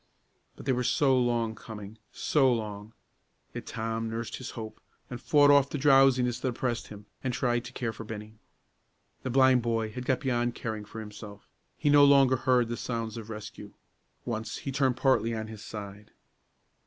But they were so long coming; so long! Yet Tom nursed his hope, and fought off the drowsiness that oppressed him, and tried to care for Bennie. The blind boy had got beyond caring for himself. He no longer heard the sounds of rescue. Once he turned partly on his side.